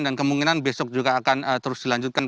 dan kemungkinan besok juga akan terus dilanjutkan